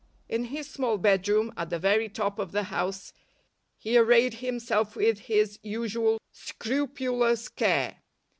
In his small bedroom at the very top of the house he arrayed himself with his usual scrupulous care.